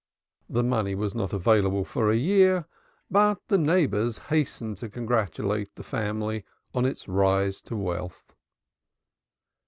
The money was not available for a year, but the neighbors hastened to congratulate the family on its rise to wealth.